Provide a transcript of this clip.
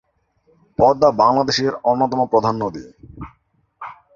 পদ্মা বাংলাদেশের অন্যতম প্রধান নদী।